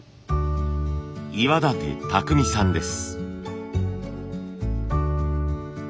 岩舘巧さんです。